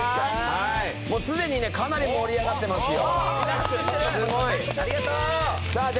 すでにかなり盛り上がってますよ。